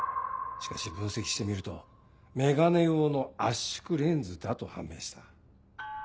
しかし分析してみると眼鏡用の圧縮レンズだと判明した。